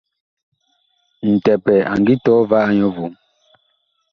Ntɛpɛ a ngi tɔɔ va a nyɔ vom.